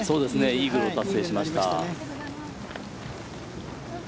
イーグルを達成しました。